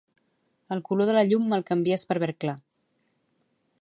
El color de la llum me'l canvies per verd clar.